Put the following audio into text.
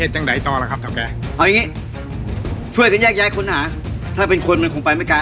เอาอย่างงี้ช่วยกันแยกแยกค้นหาถ้าเป็นคนมันคงไปไม่กลาย